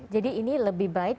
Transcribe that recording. jadi ini lebih baik